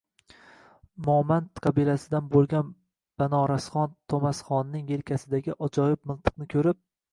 Momand qabilasidan bo’lgan Banorasxon To’masxonning yelkasidagi ajoyib miltiqni ko’rib